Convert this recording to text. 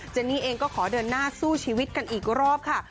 นี่เองก็ขอเดินหน้าสู้ชีวิตกันอีกรอบค่ะ